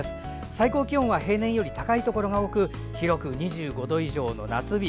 最高気温は平年より高いところが多く広く２５度以上の夏日。